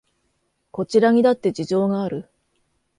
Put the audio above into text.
こちらにだって事情がある